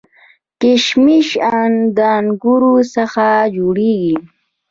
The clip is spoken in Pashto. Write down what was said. کشمش د انګورو څخه جوړیږي